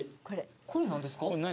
これ何ですか？